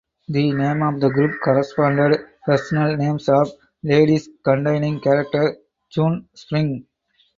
The name of the group corresponded personal names of ladies containing character "chun" (spring).